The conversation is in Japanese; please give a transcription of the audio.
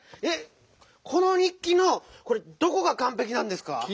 えっこのにっきのこれどこがかんぺきなんですか？